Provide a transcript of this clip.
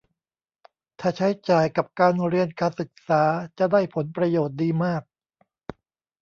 ถ้าใช้จ่ายกับการเรียนการศึกษาจะได้ผลประโยชน์ดีมาก